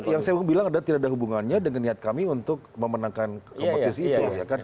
yang saya bilang tidak ada hubungannya dengan niat kami untuk memenangkan kompetisi itu